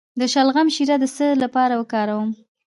د شلغم شیره د څه لپاره وکاروم؟